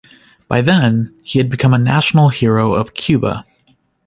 By then, he had become a national hero in Cuba.